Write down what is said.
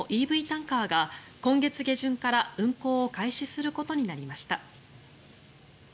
タンカーが今月下旬から運航を開始することになりました。